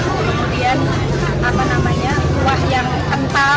kemudian apa namanya kuah yang kental